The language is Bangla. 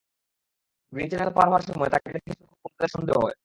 গ্রিন চ্যানেল পার হওয়ার সময় তাঁকে দেখে শুল্ক গোয়েন্দাদের সন্দেহ হয়।